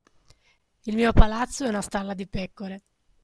Il mio palazzo è una stalla di pecore.